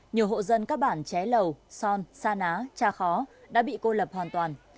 nhiều hộ dân các bản ché lầu son sa ná cha khó đã bị cô lập hoàn toàn